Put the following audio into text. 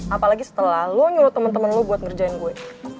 apalagi setelah lo nyuruh teman teman lo buat ngerjain gue